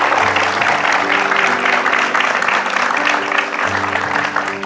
หาทีวีไปซ่อมขายเอามาขาย